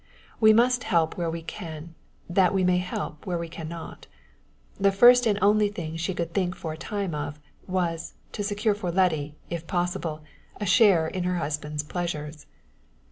We must help where we can, that we may help where we can not. The first and the only thing she could for a time think of, was, to secure for Letty, if possible, a share in her husband's pleasures.